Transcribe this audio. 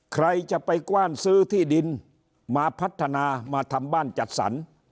ใครจะไปกว้านซื้อที่ดินมาพัฒนามาทำบ้านจัดสรร